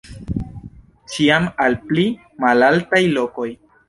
Ĉiam al pli malaltaj lokoj.